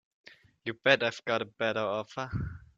You bet I've got a better offer.